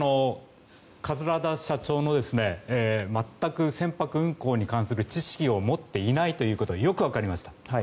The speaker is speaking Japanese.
桂田社長が全く船舶運航に関する知識を持っていないということがよく分かりました。